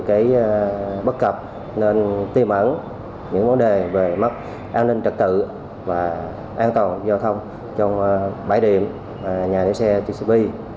nhiều bất cập nên tìm ẩn những vấn đề về mắc an ninh trật tự và an toàn giao thông trong bãi điểm và nhà xe tcp